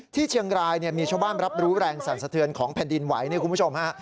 ที่เชียงรายมีช่องบ้านรับรู้แรงสรรสะเทือนของแผ่นดินไหว้ครับคุณผู้ชม